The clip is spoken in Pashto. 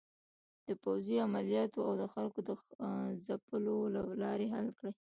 د پوځې عملیاتو او د خلکو د ځپلو له لارې حل کړي.